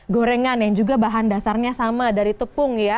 gorengan yang juga bahan dasarnya sama dari tepung ya